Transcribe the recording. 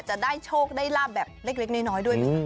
อาจจะได้โชคได้ราบแบบเล็กน้อยด้วย